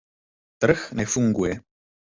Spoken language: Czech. Trh nefunguje.